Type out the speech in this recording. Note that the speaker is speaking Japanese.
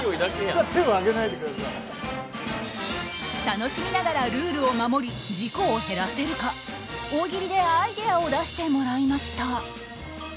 楽しみながらルールを守り事故を減らせるか大喜利でアイデアを出してもらいました。